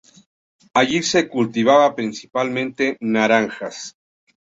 Allí se cultivaba principalmente naranjas.